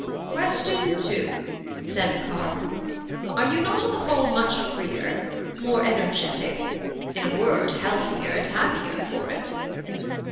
"Question two," said the carle: "Are you not on the whole much freer, more energetic in a word, healthier and happier for it?"